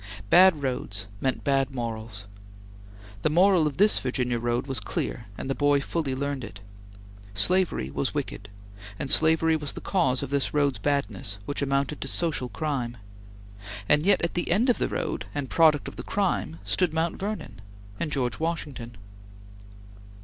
Bad roads meant bad morals. The moral of this Virginia road was clear, and the boy fully learned it. Slavery was wicked, and slavery was the cause of this road's badness which amounted to social crime and yet, at the end of the road and product of the crime stood Mount Vernon and George Washington.